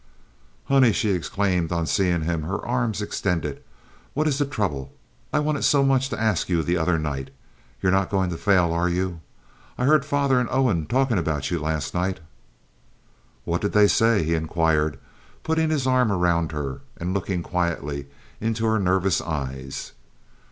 "Honey," she exclaimed, on seeing him, her arms extended—"what is the trouble? I wanted so much to ask you the other night. You're not going to fail, are you? I heard father and Owen talking about you last night." "What did they say?" he inquired, putting his arm around her and looking quietly into her nervous eyes.